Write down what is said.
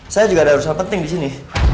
saya juga ada urusan penting disini